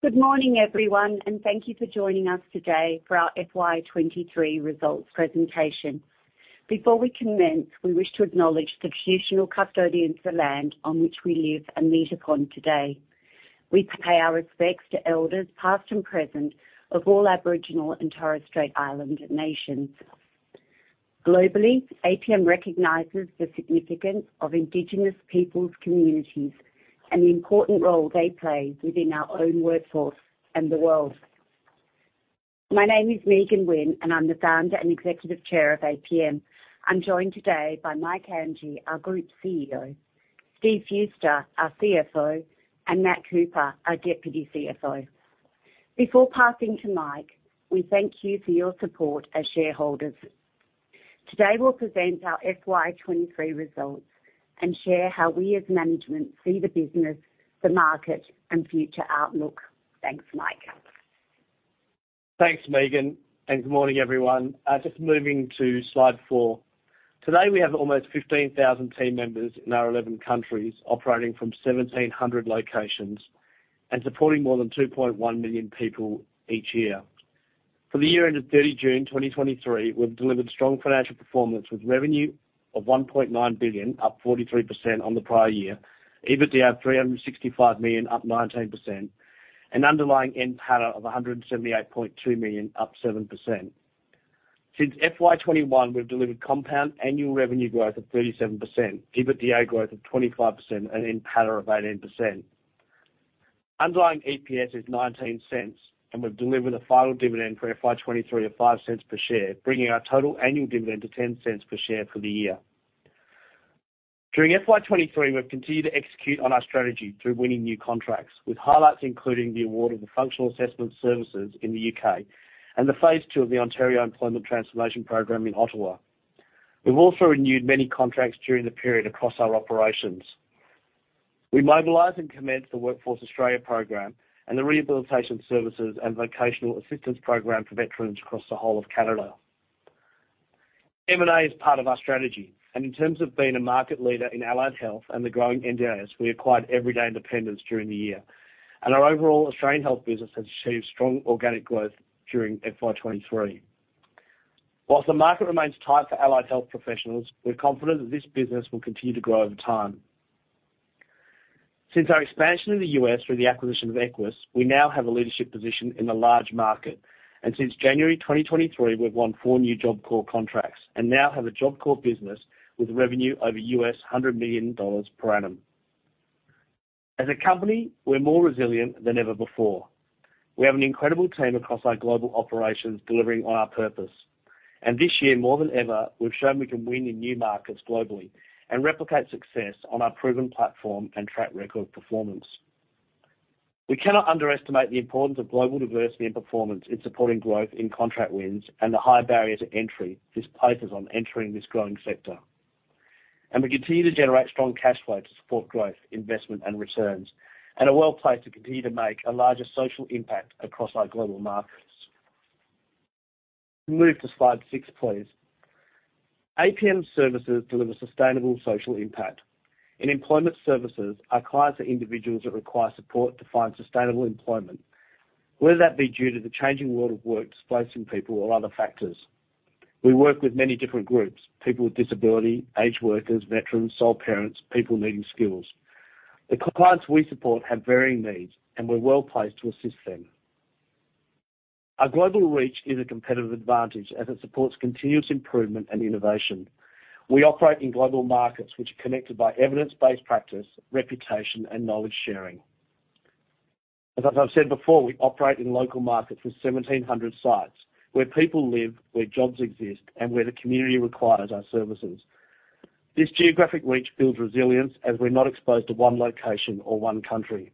Good morning, everyone, and thank you for joining us today for our FY23 results presentation. Before we commence, we wish to acknowledge the traditional custodians, the land on which we live and meet upon today. We pay our respects to elders, past and present, of all Aboriginal and Torres Strait Islander nations. Globally, APM recognizes the significance of Indigenous peoples communities and the important role they play within our own workforce and the world. My name is Megan Wynne, and I'm the founder and Executive Chair of APM. I'm joined today by Mike Anghie, our Group CEO, Steve Fewster, our CFO, and Matt Cooper, our Deputy CFO. Before passing to Mike, we thank you for your support as shareholders. Today, we'll present our FY23 results and share how we, as management, see the business, the market, and future outlook. Thanks, Mike. Thanks, Megan, and good morning, everyone. Just moving to slide four. Today, we have almost 15,000 team members in our 11 countries, operating from 1,700 locations and supporting more than 2.1 million people each year. For the year end of 30 June 2023, we've delivered strong financial performance, with revenue of 1.9 billion, up 43% on the prior year, EBITDA of 365 million, up 19%, and underlying NPATA of 178.2 million, up 7%. Since FY 2021, we've delivered compound annual revenue growth of 37%, EBITDA growth of 25%, and NPATA of 18%. Underlying EPS is 0.19, and we've delivered a final dividend for FY 2023 of 0.05 per share, bringing our total annual dividend to 0.10 per share for the year. During FY23, we've continued to execute on our strategy through winning new contracts, with highlights including the award of the Functional Assessment Services in the U.K. and the phase II of the Ontario Employment Transformation Program in Ottawa. We've also renewed many contracts during the period across our operations. We mobilized and commenced the Workforce Australia program and the rehabilitation services and vocational assistance program for veterans across the whole of Canada. M&A is part of our strategy, and in terms of being a market leader in allied health and the growing NDIS, we acquired Everyday Independence during the year, and our overall Australian health business has achieved strong organic growth during FY23. While the market remains tight for allied health professionals, we're confident that this business will continue to grow over time. Since our expansion in the U.S. through the acquisition of Equus, we now have a leadership position in the large market. Since January 2023, we've won four new Job Corps contracts and now have a Job Corps business with revenue over $100 million per annum. As a company, we're more resilient than ever before. We have an incredible team across our global operations, delivering on our purpose. This year, more than ever, we've shown we can win in new markets globally and replicate success on our proven platform and track record of performance. We cannot underestimate the importance of global diversity and performance in supporting growth in contract wins and the high barriers to entry this places on entering this growing sector. And we continue to generate strong cash flow to support growth, investment, and returns, and are well-placed to continue to make a larger social impact across our global markets. Move to slide 6, please. APM services deliver sustainable social impact. In employment services, our clients are individuals that require support to find sustainable employment, whether that be due to the changing world of work, displacing people or other factors. We work with many different groups: people with disability, aged workers, veterans, sole parents, people needing skills. The clients we support have varying needs, and we're well-placed to assist them. Our global reach is a competitive advantage as it supports continuous improvement and innovation. We operate in global markets which are connected by evidence-based practice, reputation, and knowledge sharing. As I've said before, we operate in local markets with 1,700 sites where people live, where jobs exist, and where the community requires our services. This geographic reach builds resilience as we're not exposed to one location or one country.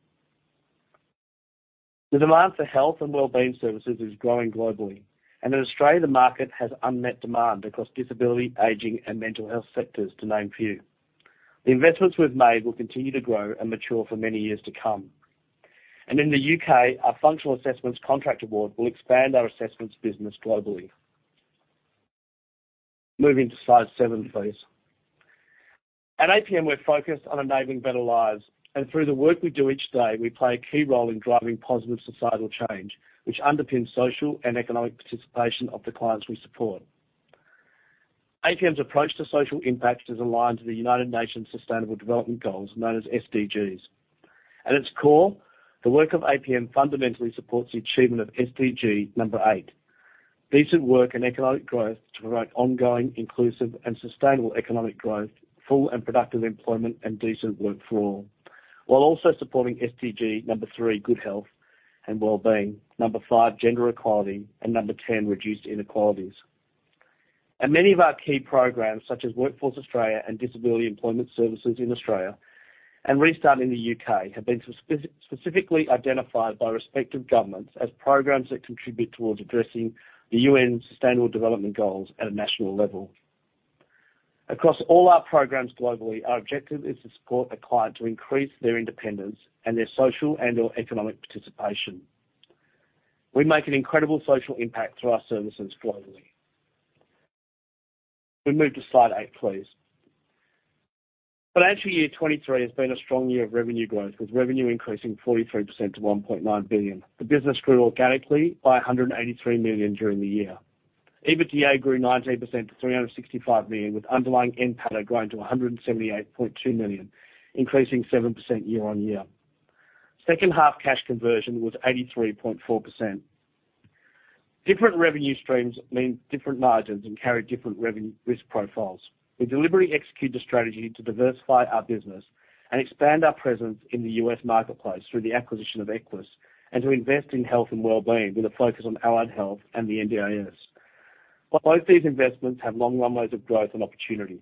The demand for health and well-being services is growing globally, and in Australia, the market has unmet demand across disability, aging, and mental health sectors, to name a few. The investments we've made will continue to grow and mature for many years to come. In the U.K., our functional assessments contract award will expand our assessments business globally. Moving to slide 7, please. At APM, we're focused on enabling better lives, and through the work we do each day, we play a key role in driving positive societal change, which underpins social and economic participation of the clients we support. APM's approach to social impact is aligned to the United Nations Sustainable Development Goals, known as SDGs. At its core, the work of APM fundamentally supports the achievement of SDG number eight, decent work and economic growth, to promote ongoing, inclusive, and sustainable economic growth, full and productive employment, and decent work for all, while also supporting SDG number three, good health and well-being, number five, gender equality, and number ten, reduced inequalities. And many of our key programs, such as Workforce Australia and Disability Employment Services in Australia and Restart in the U.K., have been specifically identified by respective governments as programs that contribute towards addressing the UN's Sustainable Development Goals at a national level. Across all our programs globally, our objective is to support the client to increase their independence and their social and/or economic participation. We make an incredible social impact through our services globally.... We move to slide 8, please. Financial year 2023 has been a strong year of revenue growth, with revenue increasing 43% to 1.9 billion. The business grew organically by 183 million during the year. EBITDA grew 19% to 365 million, with underlying NPATA growing to 178.2 million, increasing 7% year-on-year. Second half cash conversion was 83.4%. Different revenue streams mean different margins and carry different revenue risk profiles. We deliberately execute the strategy to diversify our business and expand our presence in the U.S. marketplace through the acquisition of Equus, and to invest in health and well-being, with a focus on Allied Health and the NDIS. Both these investments have long runways of growth and opportunity,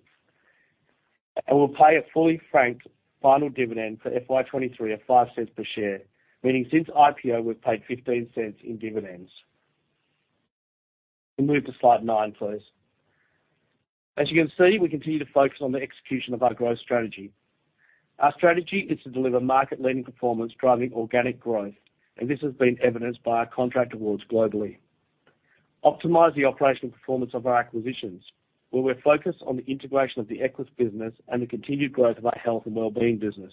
and we'll pay a fully franked final dividend for FY23 of 0.05 per share, meaning since IPO, we've paid 0.15 in dividends. We move to slide 9, please. As you can see, we continue to focus on the execution of our growth strategy. Our strategy is to deliver market-leading performance, driving organic growth, and this has been evidenced by our contract awards globally. Optimize the operational performance of our acquisitions, where we're focused on the integration of the Equus business and the continued growth of our health and well-being business.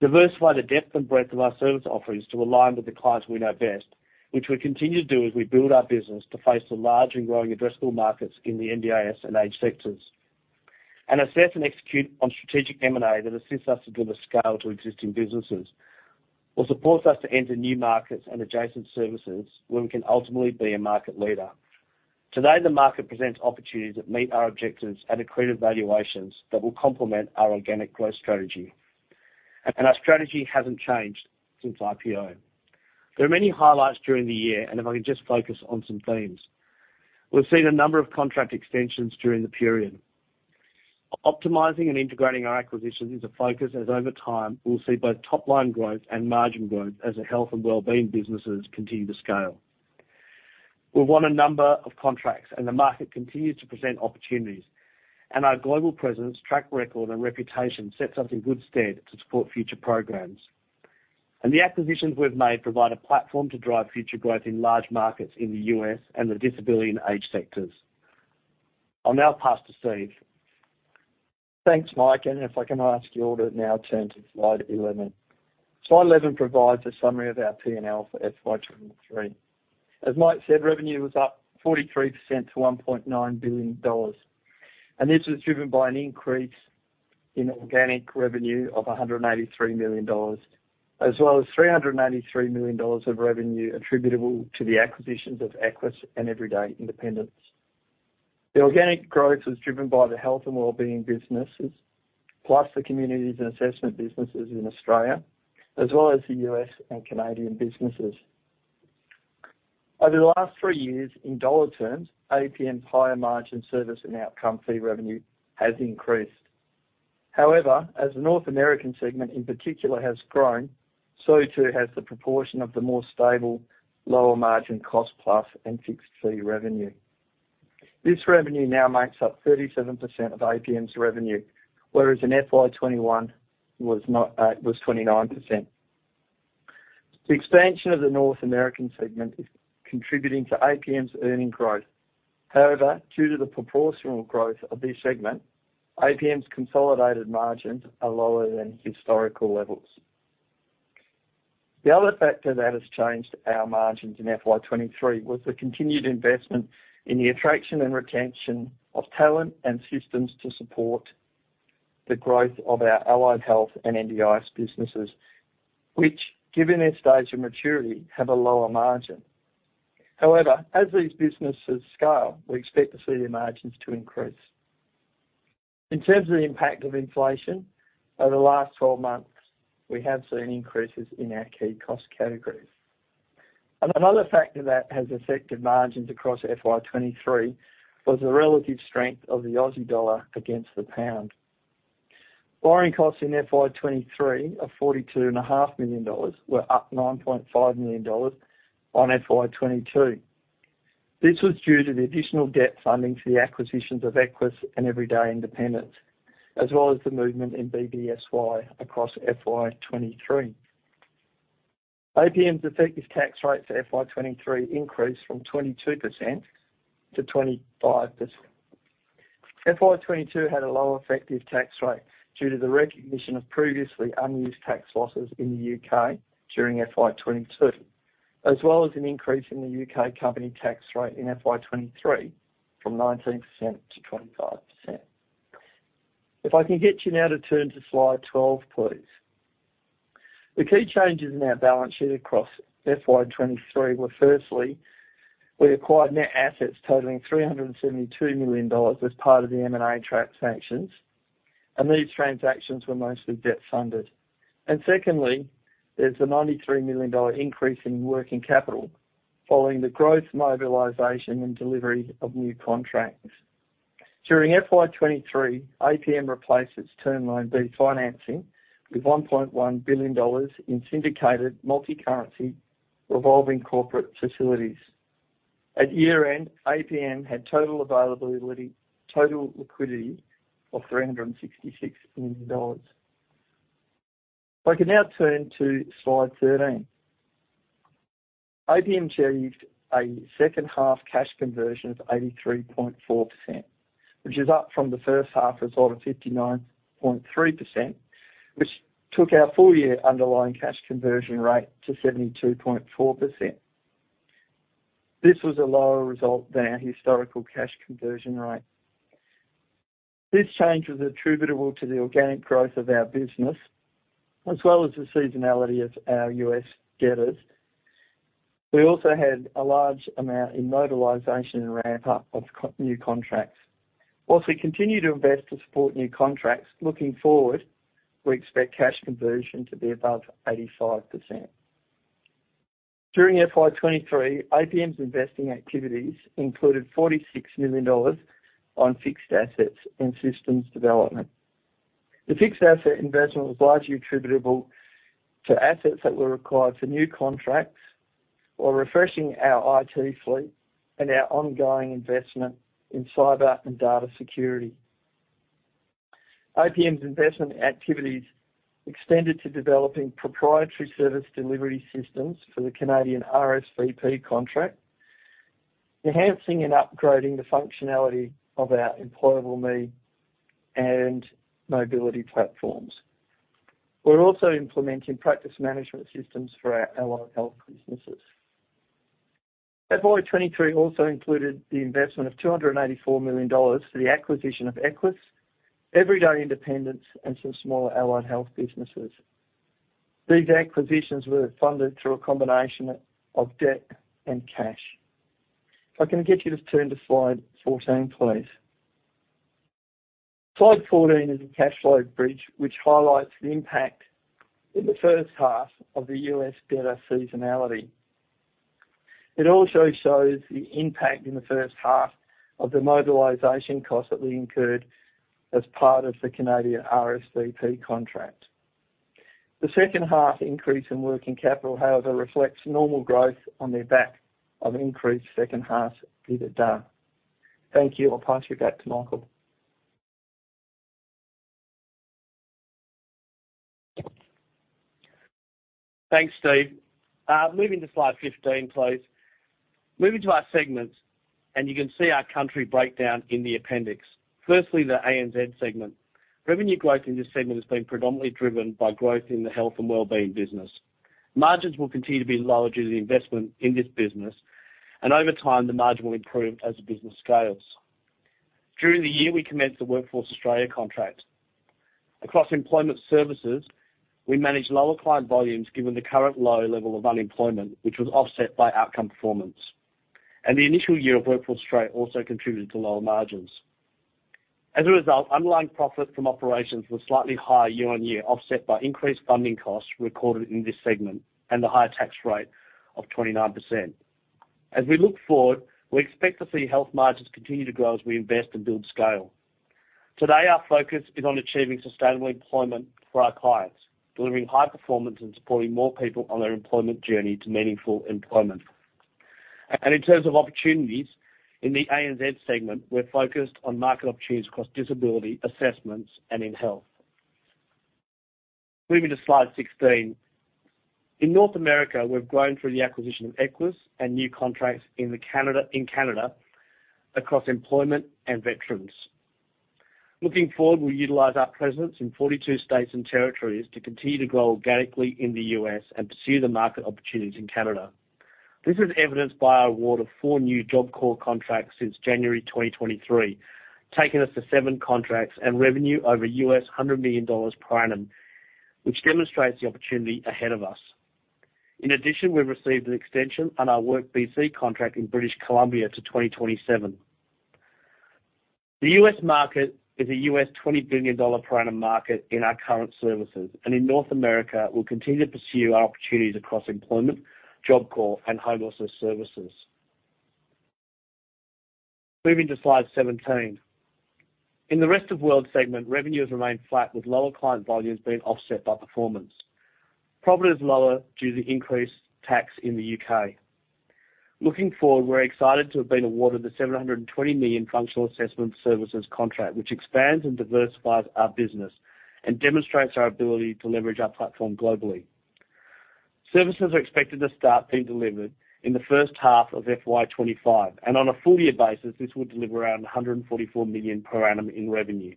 Diversify the depth and breadth of our service offerings to align with the clients we know best, which we continue to do as we build our business to face the large and growing addressable markets in the NDIS and age sectors. Assess and execute on strategic M&A that assists us to deliver scale to existing businesses, or supports us to enter new markets and adjacent services where we can ultimately be a market leader. Today, the market presents opportunities that meet our objectives at accretive valuations that will complement our organic growth strategy. Our strategy hasn't changed since IPO. There are many highlights during the year, and if I can just focus on some themes. We've seen a number of contract extensions during the period. Optimizing and integrating our acquisitions is a focus, as over time, we'll see both top-line growth and margin growth as the health and well-being businesses continue to scale. We've won a number of contracts, and the market continues to present opportunities, and our global presence, track record, and reputation sets us in good stead to support future programs. The acquisitions we've made provide a platform to drive future growth in large markets in the U.S. and the disability and age sectors. I'll now pass to Steve. Thanks, Mike, and if I can ask you all to now turn to slide 11. Slide 11 provides a summary of our P&L for FY 2023. As Mike said, revenue was up 43% to 1.9 billion dollars, and this was driven by an increase in organic revenue of 183 million dollars, as well as 393 million dollars of revenue attributable to the acquisitions of Equus and Everyday Independence. The organic growth was driven by the health and well-being businesses, plus the communities and assessment businesses in Australia, as well as the U.S. and Canadian businesses. Over the last three years, in dollar terms, APM's higher margin service and outcome fee revenue has increased. However, as the North American segment, in particular, has grown, so too, has the proportion of the more stable, lower margin cost plus and fixed fee revenue. This revenue now makes up 37% of APM's revenue, whereas in FY 2021 was not, was 29%. The expansion of the North American segment is contributing to APM's earnings growth. However, due to the proportional growth of this segment, APM's consolidated margins are lower than historical levels. The other factor that has changed our margins in FY 2023 was the continued investment in the attraction and retention of talent and systems to support the growth of our Allied Health and NDIS businesses, which, given their stage of maturity, have a lower margin. However, as these businesses scale, we expect to see their margins to increase. In terms of the impact of inflation, over the last 12 months, we have seen increases in our key cost categories. Another factor that has affected margins across FY 2023 was the relative strength of the Aussie dollar against the pound. Borrowing costs in FY 2023 of 42.5 million dollars were up 9.5 million dollars on FY 2022. This was due to the additional debt funding for the acquisitions of Equus and Everyday Independence, as well as the movement in BBSY across FY 2023. APM's effective tax rate for FY 2023 increased from 22%-25%. FY 2022 had a lower effective tax rate due to the recognition of previously unused tax losses in the U.K. during FY 2022, as well as an increase in the U.K. company tax rate in FY 2023, from 19%-25%. If I can get you now to turn to slide 12, please. The key changes in our balance sheet across FY 2023 were, firstly, we acquired net assets totaling AUD 372 million as part of the M&A transactions, and these transactions were mostly debt-funded. Secondly, there's a 93 million dollar increase in working capital following the growth, mobilization, and delivery of new contracts. During FY 2023, APM replaced its Term Loan B financing with 1.1 billion dollars in syndicated multicurrency revolving corporate facilities. At year-end, APM had total availability, total liquidity of 366 million dollars. If I can now turn to slide 13. APM achieved a second-half cash conversion of 83.4%, which is up from the first half result of 59.3%, which took our full-year underlying cash conversion rate to 72.4%. This was a lower result than our historical cash conversion rate. This change was attributable to the organic growth of our business, as well as the seasonality of our U.S. debtors. We also had a large amount in mobilization and ramp-up of new contracts. While we continue to invest to support new contracts, looking forward, we expect cash conversion to be above 85%. During FY 2023, APM's investing activities included 46 million dollars on fixed assets and systems development. The fixed asset investment was largely attributable to assets that were required for new contracts or refreshing our IT fleet and our ongoing investment in cyber and data security. APM's investment activities extended to developing proprietary service delivery systems for the Canadian RSVP contract, enhancing and upgrading the functionality of our Employable Me and mobility platforms. We're also implementing practice management systems for our Allied Health businesses. FY 2023 also included the investment of 284 million dollars for the acquisition of Equus, Everyday Independence, and some smaller allied health businesses. These acquisitions were funded through a combination of debt and cash. If I can get you to turn to slide 14, please. Slide 14 is a cash flow bridge, which highlights the impact in the first half of the U.S. debtor seasonality. It also shows the impact in the first half of the mobilization costs that we incurred as part of the Canadian RSVP contract. The second-half increase in working capital, however, reflects normal growth on the back of increased second-half billed debt. Thank you. I'll pass you back to Michael. Thanks, Steve. Moving to slide 15, please. Moving to our segments, and you can see our country breakdown in the appendix. Firstly, the ANZ segment. Revenue growth in this segment has been predominantly driven by growth in the health and well-being business. Margins will continue to be lower due to the investment in this business, and over time, the margin will improve as the business scales. During the year, we commenced the Workforce Australia contract. Across employment services, we managed lower client volumes given the current low level of unemployment, which was offset by outcome performance, and the initial year of Workforce Australia also contributed to lower margins. As a result, underlying profit from operations was slightly higher year-on-year, offset by increased funding costs recorded in this segment and the higher tax rate of 29%. As we look forward, we expect to see health margins continue to grow as we invest and build scale. Today, our focus is on achieving sustainable employment for our clients, delivering high performance and supporting more people on their employment journey to meaningful employment. In terms of opportunities, in the ANZ segment, we're focused on market opportunities across disability, assessments, and in health. Moving to slide 16. In North America, we've grown through the acquisition of Equus and new contracts in Canada, across employment and veterans. Looking forward, we'll utilize our presence in 42 states and territories to continue to grow organically in the U.S. and pursue the market opportunities in Canada. This is evidenced by our award of four new Job Corps contracts since January 2023, taking us to seven contracts and revenue over $100 million per annum, which demonstrates the opportunity ahead of us. In addition, we've received an extension on our WorkBC contract in British Columbia to 2027. The U.S. market is a U.S. $20 billion per annum market in our current services, and in North America, we'll continue to pursue our opportunities across employment, Job Corps, and homelessness services. Moving to slide 17. In the Rest of World segment, revenue has remained flat, with lower client volumes being offset by performance. Profit is lower due to increased tax in the U.K. Looking forward, we're excited to have been awarded the 720 million Functional Assessment Services contract, which expands and diversifies our business and demonstrates our ability to leverage our platform globally. Services are expected to start being delivered in the first half of FY 2025, and on a full year basis, this will deliver around 144 million per annum in revenue.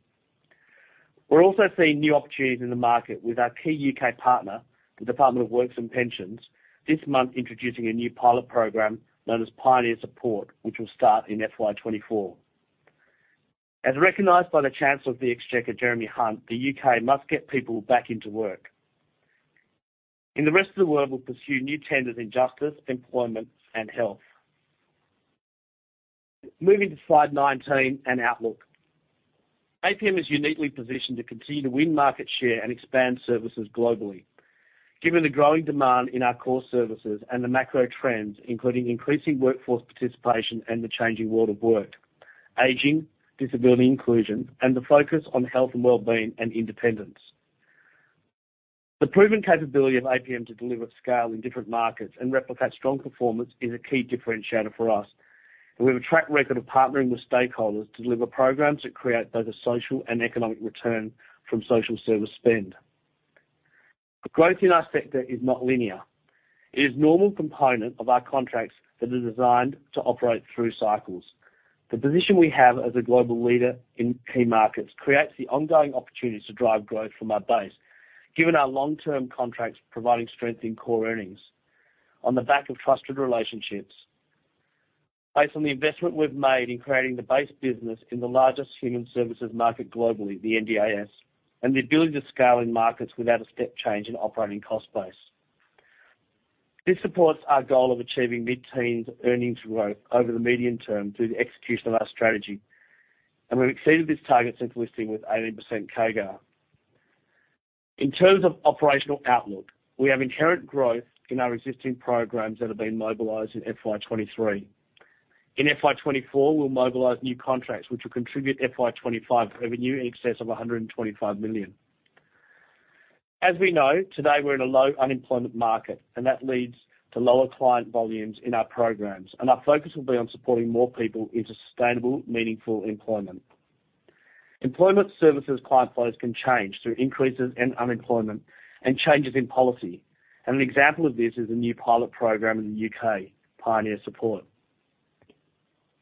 We're also seeing new opportunities in the market with our key U.K. partner, the Department for Work and Pensions, this month introducing a new pilot program known as Pioneer Support, which will start in FY 2024. As recognized by the Chancellor of the Exchequer, Jeremy Hunt, the U.K. must get people back into work. In the rest of the world, we'll pursue new tenders in justice, employment, and health. Moving to slide 19 and outlook. APM is uniquely positioned to continue to win market share and expand services globally. Given the growing demand in our core services and the macro trends, including increasing workforce participation and the changing world of work, aging, disability inclusion, and the focus on health and well-being and independence. The proven capability of APM to deliver at scale in different markets and replicate strong performance is a key differentiator for us, and we have a track record of partnering with stakeholders to deliver programs that create both a social and economic return from social service spend.... The growth in our sector is not linear. It is normal component of our contracts that are designed to operate through cycles. The position we have as a global leader in key markets creates the ongoing opportunities to drive growth from our base, given our long-term contracts providing strength in core earnings on the back of trusted relationships. Based on the investment we've made in creating the base business in the largest human services market globally, the NDIS, and the ability to scale in markets without a step change in operating cost base. This supports our goal of achieving mid-teens earnings growth over the medium term through the execution of our strategy, and we've exceeded this target since listing with 18% CAGR. In terms of operational outlook, we have inherent growth in our existing programs that have been mobilized in FY 2023. In FY 2024, we'll mobilize new contracts, which will contribute FY 2025 revenue in excess of 125 million. As we know, today, we're in a low unemployment market, and that leads to lower client volumes in our programs, and our focus will be on supporting more people into sustainable, meaningful employment. Employment services client flows can change through increases in unemployment and changes in policy. An example of this is a new pilot program in the UK, Pioneer Support.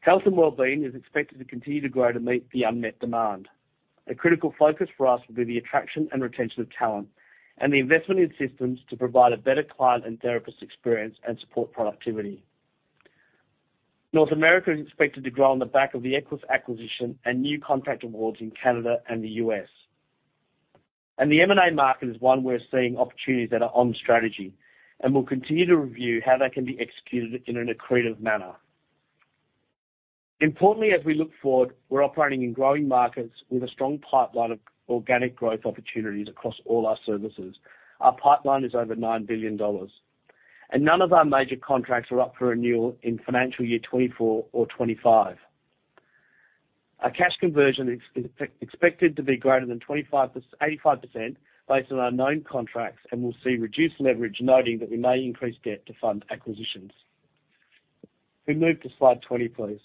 Health and wellbeing is expected to continue to grow to meet the unmet demand. A critical focus for us will be the attraction and retention of talent and the investment in systems to provide a better client and therapist experience and support productivity. North America is expected to grow on the back of the Equus acquisition and new contract awards in Canada and the US. The M&A market is one we're seeing opportunities that are on strategy, and we'll continue to review how they can be executed in an accretive manner. Importantly, as we look forward, we're operating in growing markets with a strong pipeline of organic growth opportunities across all our services. Our pipeline is over 9 billion dollars, and none of our major contracts are up for renewal in financial year 2024 or 2025. Our cash conversion is expected to be greater than 85% based on our known contracts, and we'll see reduced leverage, noting that we may increase debt to fund acquisitions. Can we move to slide 20, please?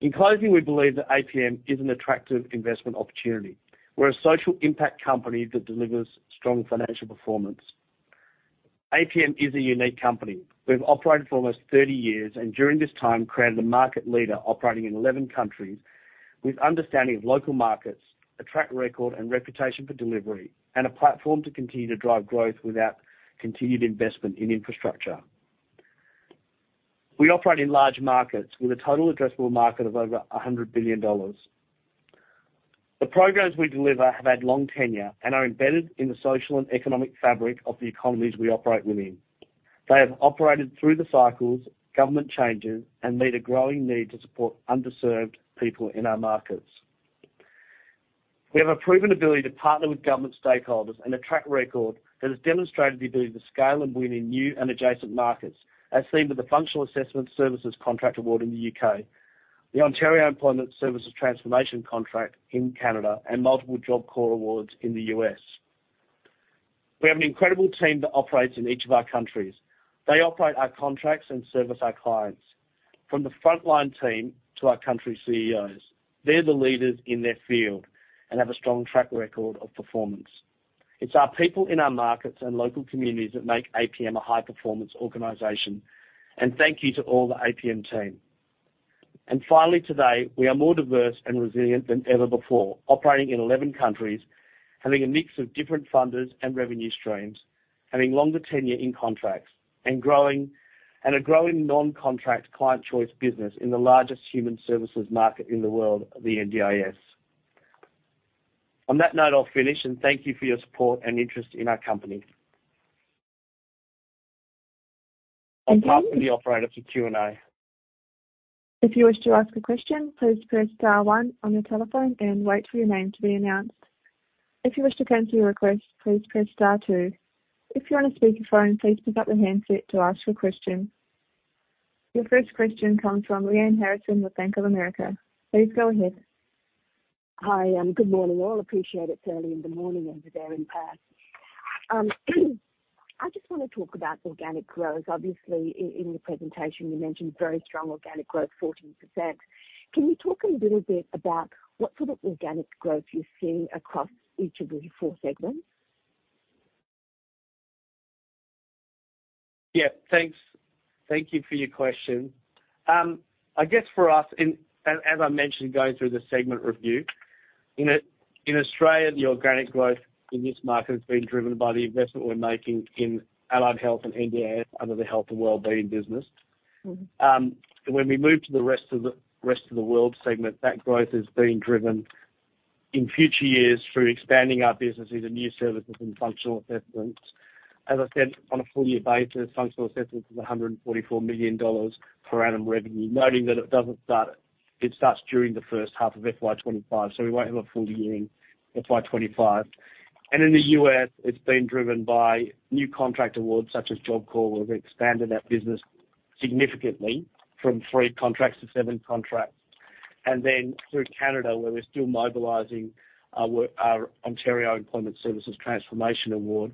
In closing, we believe that APM is an attractive investment opportunity. We're a social impact company that delivers strong financial performance. APM is a unique company. We've operated for almost 30 years, and during this time, created a market leader operating in 11 countries with understanding of local markets, a track record and reputation for delivery, and a platform to continue to drive growth without continued investment in infrastructure. We operate in large markets with a total addressable market of over $100 billion. The programs we deliver have had long tenure and are embedded in the social and economic fabric of the economies we operate within. They have operated through the cycles, government changes, and meet a growing need to support underserved people in our markets. We have a proven ability to partner with government stakeholders and a track record that has demonstrated the ability to scale and win in new and adjacent markets, as seen with the Functional Assessment Services contract award in the U.K., the Ontario Employment Services Transformation contract in Canada, and multiple Job Corps awards in the U.S. We have an incredible team that operates in each of our countries. They operate our contracts and service our clients. From the frontline team to our country CEOs, they're the leaders in their field and have a strong track record of performance. It's our people in our markets and local communities that make APM a high-performance organization, and thank you to all the APM team. And finally, today, we are more diverse and resilient than ever before, operating in 11 countries, having a mix of different funders and revenue streams, having longer tenure in contracts, and growing—and a growing non-contract client choice business in the largest human services market in the world, the NDIS. On that note, I'll finish, and thank you for your support and interest in our company. Thank you. I'll pass to the operator for Q&A. If you wish to ask a question, please press star one on your telephone and wait for your name to be announced. If you wish to cancel your request, please press star two. If you're on a speakerphone, please pick up the handset to ask your question. Your first question comes from Lyanne Harrison with Bank of America. Please go ahead. Hi, good morning, all. I appreciate it's early in the morning over there in Perth. I just want to talk about organic growth. Obviously, in your presentation, you mentioned very strong organic growth, 14%. Can you talk a little bit about what sort of organic growth you're seeing across each of the 4 segments? Yeah, thanks. Thank you for your question. I guess, for us, in Australia, as I mentioned, going through the segment review, the organic growth in this market has been driven by the investment we're making in Allied Health and NDIS under the Health and Wellbeing business. Mm-hmm. When we move to the rest of the world segment, that growth is being driven in future years through expanding our businesses and new services in functional assessments. As I said, on a full year basis, functional assessments is $144 million per annum revenue, noting that it doesn't start. It starts during the first half of FY 2025, so we won't have a full year in FY 2025. And in the U.S., it's been driven by new contract awards such as Job Corps, where we've expanded that business significantly from three contracts to seven contracts. And then through Canada, where we're still mobilizing our work, our Ontario Employment Services Transformation award,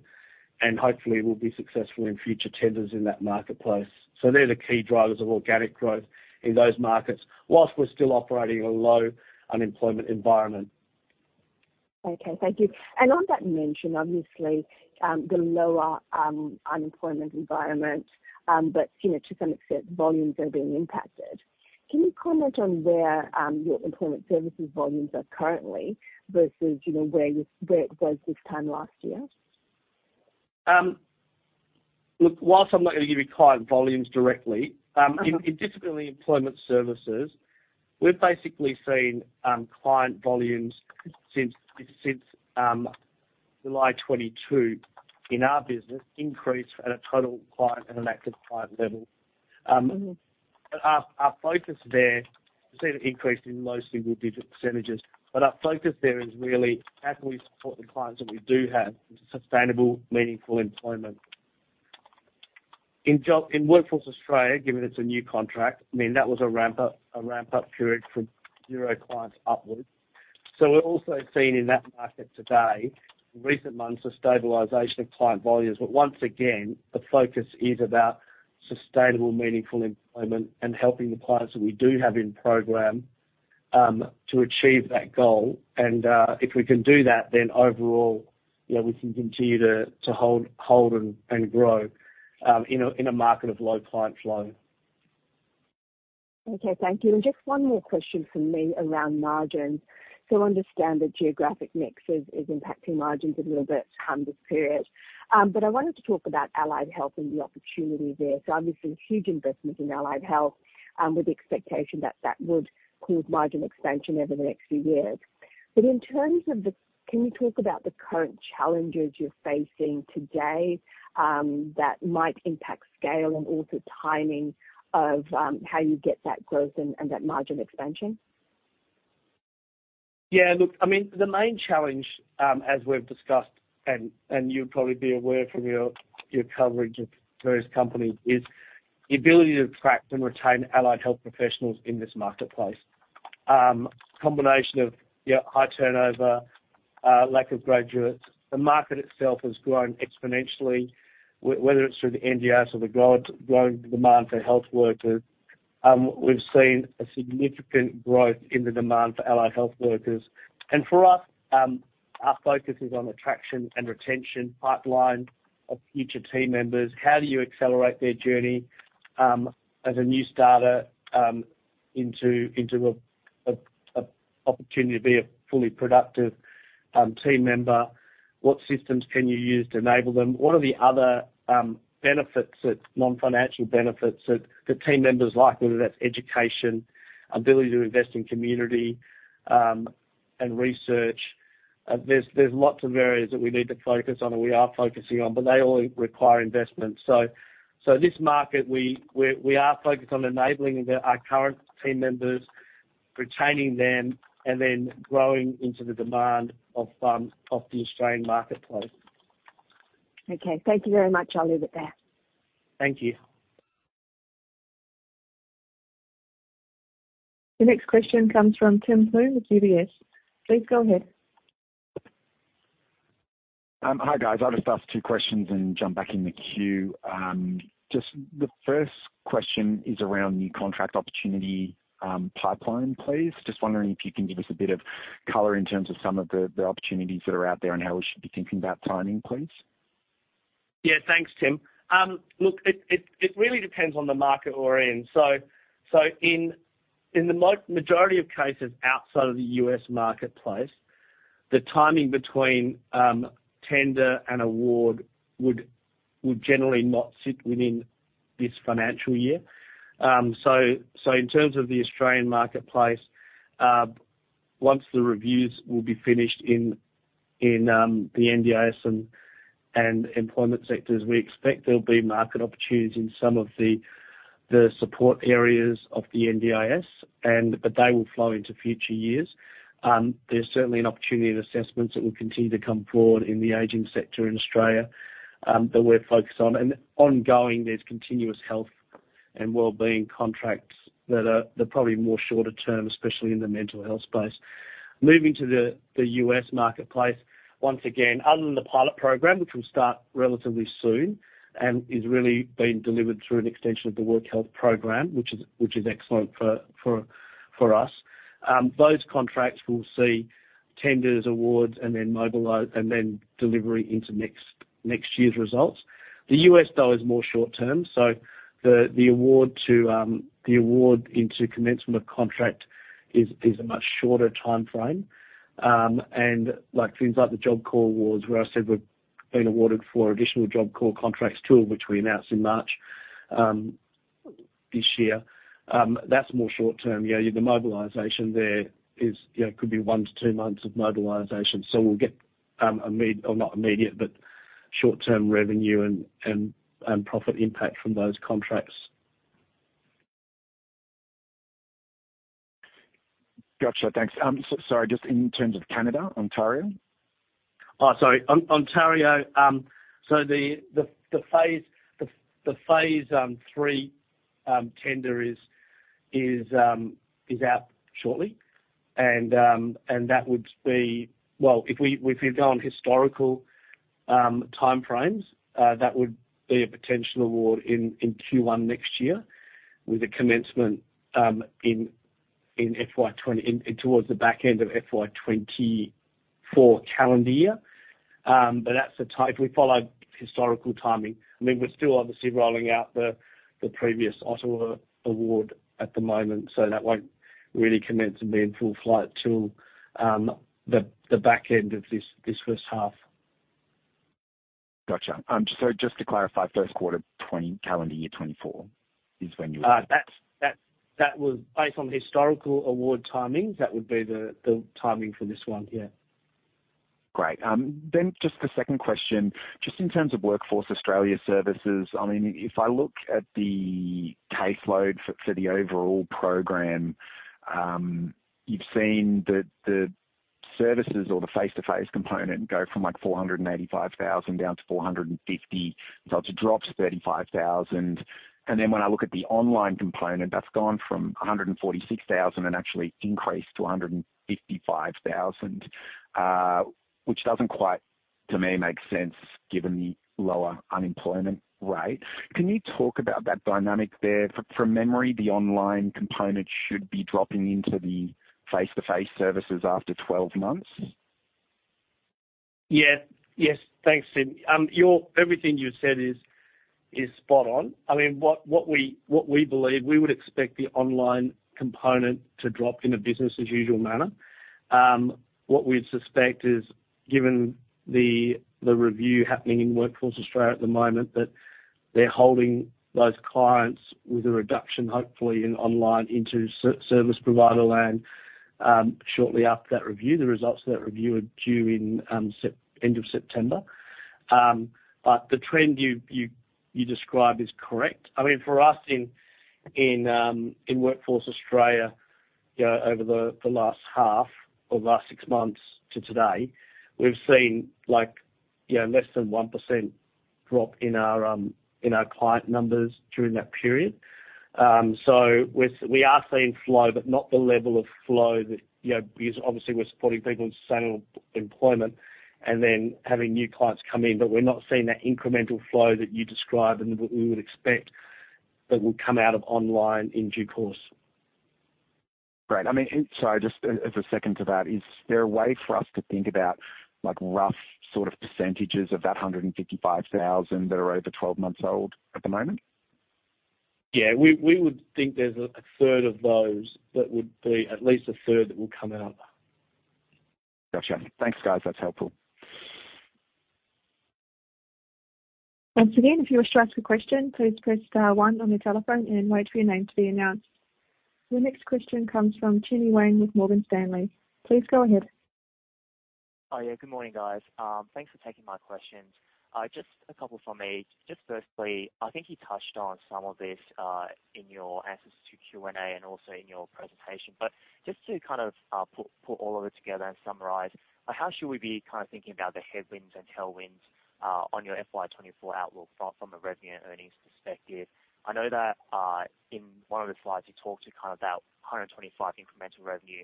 and hopefully we'll be successful in future tenders in that marketplace. So they're the key drivers of organic growth in those markets, while we're still operating in a low unemployment environment. Okay, thank you. And on that mention, obviously, the lower unemployment environment, but, you know, to some extent, volumes are being impacted. Can you comment on where your employment services volumes are currently versus, you know, where it was this time last year? Look, while I'm not going to give you client volumes directly, in Disability Employment Services, we've basically seen client volumes since July 2022, in our business, increase at a total client and an active client level. But our focus there, we've seen an increase in low single-digit %, but our focus there is really how can we support the clients that we do have into sustainable, meaningful employment. In Workforce Australia, given it's a new contract, I mean, that was a ramp up, a ramp-up period from zero clients upwards. So we're also seeing in that market today, recent months, a stabilization of client volumes. But once again, the focus is about sustainable, meaningful employment and helping the clients that we do have in program to achieve that goal. And if we can do that, then overall, you know, we can continue to hold and grow in a market of low client flow. Okay, thank you. And just one more question from me around margins. So I understand the geographic mix is impacting margins a little bit this period. But I wanted to talk about Allied Health and the opportunity there. So obviously, huge investments in Allied Health with the expectation that that would cause margin expansion over the next few years. But in terms of, can you talk about the current challenges you're facing today that might impact scale and also timing of how you get that growth and that margin expansion? Yeah, look, I mean, the main challenge, as we've discussed, and you'd probably be aware from your coverage of various companies, is the ability to attract and retain allied health professionals in this marketplace. Combination of, yeah, high turnover, lack of graduates. The market itself has grown exponentially, whether it's through the NDIS or the growing demand for health workers, we've seen a significant growth in the demand for allied health workers. And for us, our focus is on attraction and retention, pipeline of future team members. How do you accelerate their journey, as a new starter, into a opportunity to be a fully productive team member? What systems can you use to enable them? What are the other benefits that, non-financial benefits that the team members like, whether that's education, ability to invest in community, and research? There's lots of areas that we need to focus on and we are focusing on, but they all require investment. So this market, we are focused on enabling our current team members, retaining them, and then growing into the demand of the Australian marketplace. Okay, thank you very much. I'll leave it there. Thank you. The next question comes from Tim Plumbe with UBS. Please go ahead. Hi, guys. I'll just ask two questions and jump back in the queue. Just the first question is around the contract opportunity pipeline, please. Just wondering if you can give us a bit of color in terms of some of the opportunities that are out there and how we should be thinking about timing, please. Yeah, thanks, Tim. Look, it really depends on the market we're in. So in the majority of cases outside of the U.S. marketplace, the timing between tender and award would generally not sit within this financial year. So in terms of the Australian marketplace, once the reviews will be finished in the NDIS and employment sectors, we expect there'll be market opportunities in some of the support areas of the NDIS, but they will flow into future years. There's certainly an opportunity in assessments that will continue to come forward in the aging sector in Australia that we're focused on. And ongoing, there's continuous health and well-being contracts that they're probably more shorter term, especially in the mental health space. Moving to the U.S. marketplace, once again, other than the pilot program, which will start relatively soon and is really being delivered through an extension of the work health program, which is excellent for us, those contracts will see tenders, awards, and then mobilize, and then delivery into next year's results. The U.S., though, is more short term, so the award to commencement of contract is a much shorter timeframe. And like things like the Job Corps awards, where I said we've been awarded for additional Job Corps contracts, two of which we announced in March this year, that's more short term. Yeah, the mobilization there is, you know, could be one to two months of mobilization. So we'll get immediate or not immediate, but short-term revenue and profit impact from those contracts. Gotcha, thanks. So sorry, just in terms of Canada, Ontario? Oh, sorry. Ontario, so the phase three tender is out shortly. And that would be, well, if we go on historical time frames, that would be a potential award in Q1 next year, with a commencement in, towards the back end of FY 2024 calendar year. But that's tight. We followed historical timing. I mean, we're still obviously rolling out the previous Ottawa award at the moment, so that won't really commence and be in full flight till the back end of this first half. Got you. Just to clarify, first quarter, calendar year 2024 is when you- That was based on historical award timings. That would be the timing for this one. Yeah. Great. Then just the second question, just in terms of Workforce Australia services, I mean, if I look at the caseload for the overall program, you've seen the services or the face-to-face component go from like 485,000 down to 450,000. So it's a drop to 35,000. And then when I look at the online component, that's gone from 146,000 and actually increased to 155,000, which doesn't quite, to me, make sense given the lower unemployment rate. Can you talk about that dynamic there? From memory, the online component should be dropping into the face-to-face services after 12 months. Yeah. Yes, thanks, Tim. Everything you've said is spot on. I mean, what we believe, we would expect the online component to drop in a business-as-usual manner. What we suspect is, given the review happening in Workforce Australia at the moment, that they're holding those clients with a reduction, hopefully in online into service provider land, shortly after that review. The results of that review are due in end of September. But the trend you describe is correct. I mean, for us in Workforce Australia, you know, over the last half or the last six months to today, we've seen like, you know, less than 1% drop in our client numbers during that period. So, we are seeing flow, but not the level of flow that you know, because obviously we're supporting people in sustainable employment and then having new clients come in, but we're not seeing that incremental flow that you describe and what we would expect that would come out of online in due course. Great. I mean, so just as a second to that, is there a way for us to think about like, rough sort of percentages of that 155,000 that are over 12 months old at the moment? Yeah, we, we would think there's a third of those that would be at least a third that will come up. Got you. Thanks, guys. That's helpful. Once again, if you wish to ask a question, please press star one on your telephone and wait for your name to be announced. The next question comes from Chenny Wang with Morgan Stanley. Please go ahead. Oh, yeah. Good morning, guys. Thanks for taking my questions. Just a couple from me. Just firstly, I think you touched on some of this in your answers to Q&A and also in your presentation. But just to kind of put all of it together and summarize, how should we be kind of thinking about the headwinds and tailwinds on your FY 2024 outlook from a revenue and earnings perspective? I know that in one of the slides, you talked to kind of about 125 incremental revenue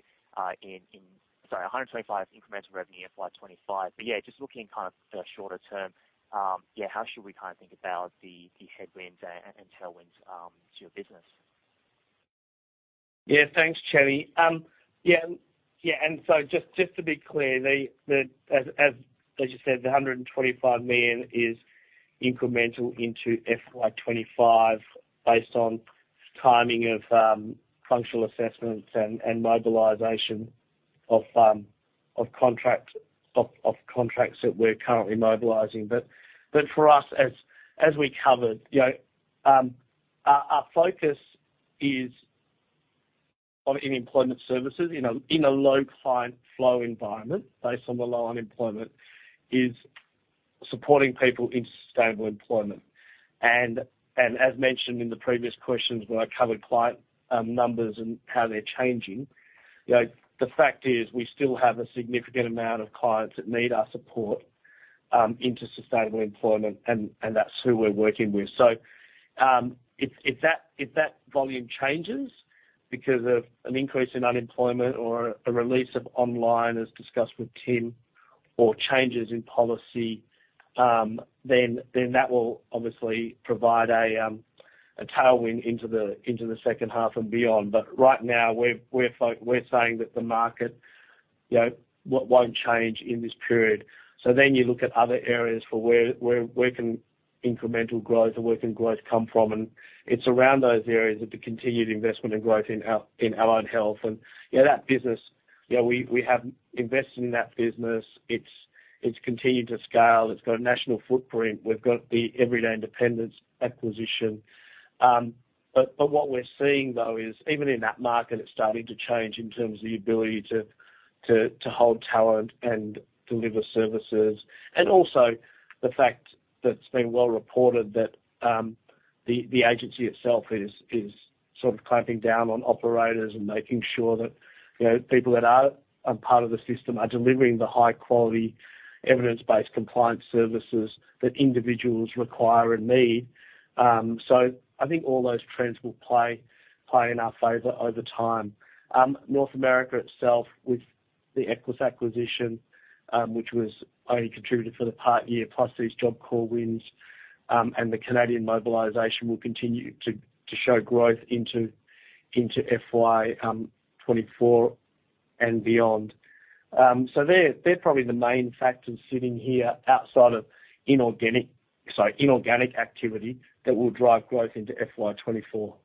in FY 2025. Sorry, 125 incremental revenue in FY 2025. But yeah, just looking kind of the shorter term, yeah, how should we kind of think about the headwinds and tailwinds to your business? Yeah. Thanks, Chenni. Yeah, yeah, and so just to be clear, as you said, the 125 million is incremental into FY 2025 based on timing of functional assessments and mobilization of contracts that we're currently mobilizing. But for us, as we covered, you know, our focus is on in employment services, in a low client flow environment, based on the low unemployment, is supporting people into sustainable employment. And as mentioned in the previous questions, where I covered client numbers and how they're changing, you know, the fact is we still have a significant amount of clients that need our support into sustainable employment, and that's who we're working with. So, if that volume changes because of an increase in unemployment or a release of online, as discussed with Tim, or changes in policy, then that will obviously provide a tailwind into the second half and beyond. But right now, we're saying that the market, you know, won't change in this period. So then you look at other areas for where incremental growth and where growth can come from, and it's around those areas of the continued investment and growth in Allied Health. And, yeah, that business, you know, we have invested in that business. It's continued to scale. It's got a national footprint. We've got the Everyday Independence acquisition. But what we're seeing, though, is even in that market, it's starting to change in terms of the ability to hold talent and deliver services, and also the fact that it's been well reported that the agency itself is sort of clamping down on operators and making sure that, you know, people that are a part of the system are delivering the high-quality, evidence-based compliance services that individuals require and need. So I think all those trends will play in our favor over time. North America itself, with the Equus acquisition, which was only contributed for the part year, plus these Job Corps wins, and the Canadian mobilization will continue to show growth into FY 2024 and beyond. So they're probably the main factors sitting here outside of inorganic, sorry, inorganic activity that will drive growth into FY 2024.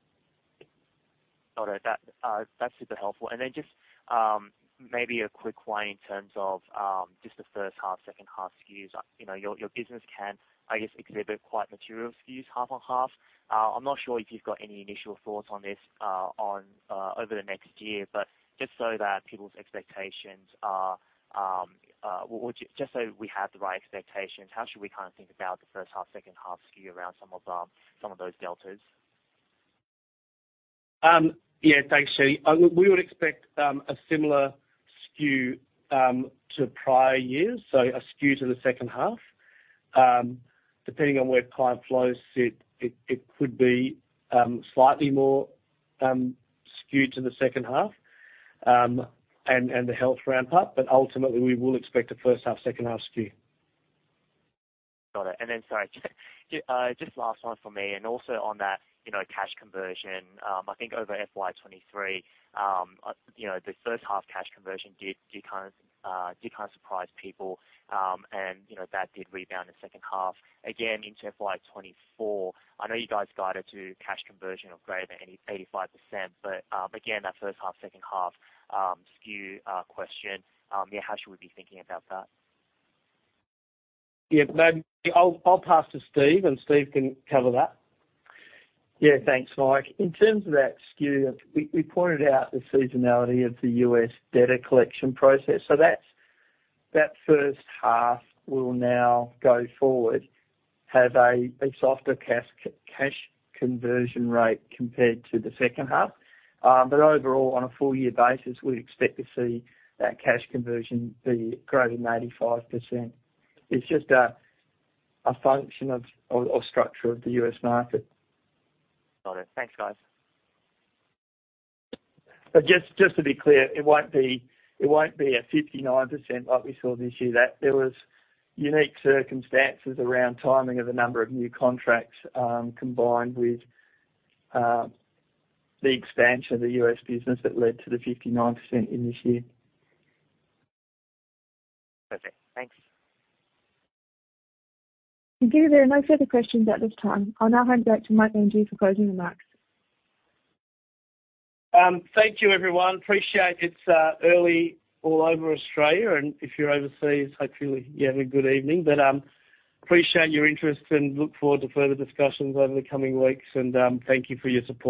Got it. That, that's super helpful. And then just, maybe a quick way in terms of, just the first half, second half skews. You know, your business can, I guess, exhibit quite material skews, half on half. I'm not sure if you've got any initial thoughts on this, over the next year, but just so that people's expectations are, well, just so we have the right expectations, how should we kind of think about the first half, second half skew around some of those deltas? Yeah, thanks, Shani. We would expect a similar skew to prior years, so a skew to the second half. Depending on where client flows sit, it could be slightly more skewed to the second half, and the health ramp up, but ultimately, we will expect a first half, second half skew. Got it. And then, sorry, just last one for me, and also on that, you know, cash conversion, I think over FY 2023, you know, the first half cash conversion did, did kind of, did kind of surprise people, and, you know, that did rebound in the second half. Again, into FY 2024, I know you guys guided to cash conversion of greater than 85%, but, again, that first half, second half, skew, question, yeah, how should we be thinking about that? Yeah, maybe I'll, I'll pass to Steve, and Steve can cover that. Yeah, thanks, Mike. In terms of that skew, we pointed out the seasonality of the U.S. data collection process. So that first half will now go forward have a softer Cash Conversion rate compared to the second half. But overall, on a full year basis, we expect to see that Cash Conversion be greater than 85%. It's just a function of structure of the U.S. market. Got it. Thanks, guys. But just, just to be clear, it won't be, it won't be a 59% like we saw this year. That there was unique circumstances around timing of a number of new contracts, combined with, the expansion of the U.S. business that led to the 59% in this year. Perfect. Thanks. Thank you. There are no further questions at this time. I'll now hand it back to Michael Anghie for closing remarks. Thank you, everyone. Appreciate it's early all over Australia, and if you're overseas, hopefully you have a good evening. Appreciate your interest and look forward to further discussions over the coming weeks, and thank you for your support.